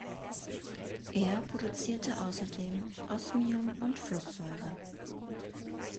Er produzierte außerdem Osmium und Flusssäure.